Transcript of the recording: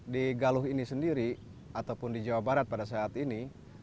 di galuh ini sendiri ataupun di jawa barat pada saat ini